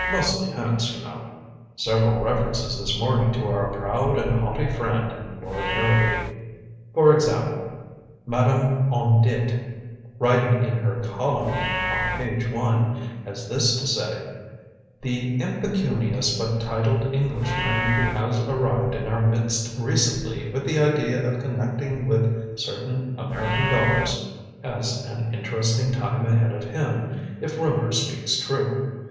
Mostly hints, you know. Several references this morning to our proud and haughty friend, Lord Harrowby. For example, Madame On Dit, writing in her column, on page one, has this to say: 'The impecunious but titled Englishman who has arrived in our midst recently with the idea of connecting with certain American dollars has an interesting time ahead of him, if rumor speaks true.